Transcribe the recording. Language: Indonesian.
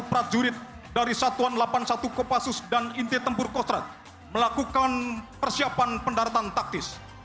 empat prajurit dari satuan delapan puluh satu kopassus dan inti tempur kostrad melakukan persiapan pendaratan taktis